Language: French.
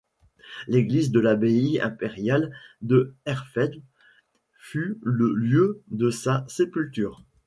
L'église de l'abbaye impériale de Hersfeld fut le lieu de sa sépulture.